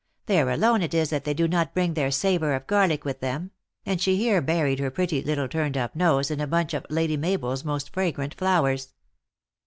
There alone it is that they do not bring their savor of garlic w r ith them," and she here buried her pretty little turned up nose in a bunch of Lady Mabel s most fragrant flowers.